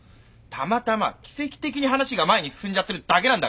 たまたま奇跡的に話が前に進んじゃってるだけなんだから。